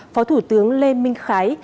phó thủ tướng lê minh khái